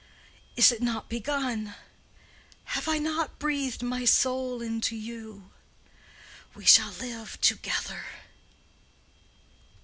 Is it not begun? Have I not breathed my soul into you? We shall live together."